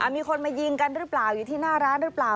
มีคนมายิงกันหรือเปล่าอยู่ที่หน้าร้านหรือเปล่า